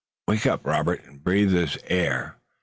"Wake up, Robert, and breathe this air!